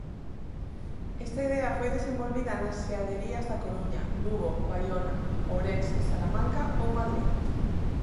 Esta idea foi desenvolvida nas xeaderías da Coruña, Lugo, Baiona, Ourense, Salamanca ou Madrid.